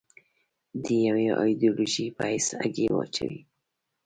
د یوې ایدیالوژۍ په حیث هګۍ واچوي.